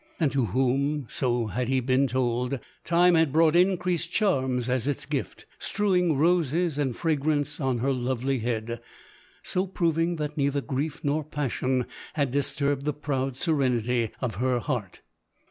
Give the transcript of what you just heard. and to whom, so had he been told, time had brought increased charms as its gift, st re wing roses and fragrance on her lovely head, so proving that neither grief nor passion had disturbed the proud serenity of her heart.